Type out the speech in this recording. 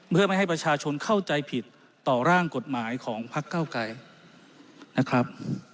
เพื่อไม่ให้ประชาชนเข้าใจผิดต่อร่างกฎหมายของพักเก้าไกรนะครับ